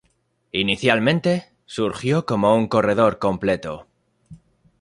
Inicialmente, surgió como un corredor completo.